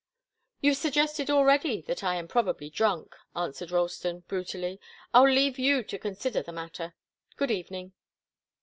"You've suggested already that I am probably drunk," answered Ralston, brutally. "I'll leave you to consider the matter. Good evening."